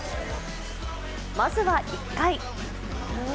まずは１回。